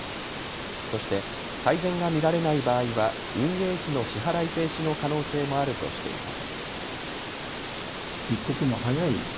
そして改善が見られない場合は運営費の支払い停止の可能性もあるとしています。